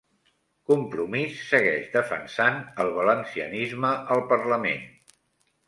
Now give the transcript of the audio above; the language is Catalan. Compromís segueix defensant el valencianisme al parlament